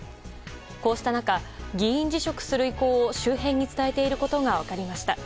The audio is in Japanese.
こうした中、議員辞職する意向を周辺に伝えていることが分かりました。